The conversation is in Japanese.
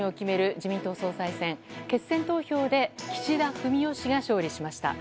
自民党総裁選、決選投票で岸田文雄氏が勝利しました。